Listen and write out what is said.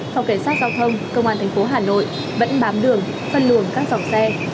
phòng kiểm soát giao thông công an thành phố hà nội vẫn bám đường phân lường các dòng xe